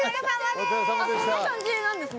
こんな感じなんですね。